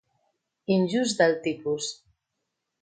Injust del tipus.